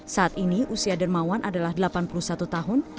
saat ini usia dermawan adalah delapan puluh satu tahun